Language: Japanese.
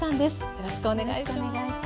よろしくお願いします。